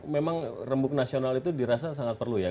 memang rembuk nasional itu dirasa sangat perlu ya